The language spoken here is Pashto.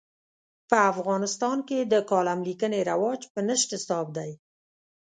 په افغانستان کې د کالم لیکنې رواج په نشت حساب دی.